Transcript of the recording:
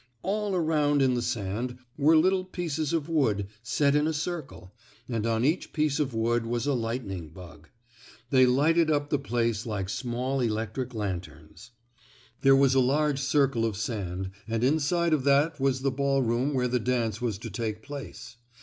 All around in the sand were little pieces of wood, set in a circle, and on each piece of wood was a lightning bug. They lighted up the place like small electric lanterns. There was a large circle of sand, and inside of that was the ballroom where the dance was to take place.